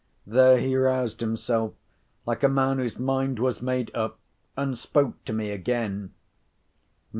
There he roused himself, like a man whose mind was made up, and spoke to me again.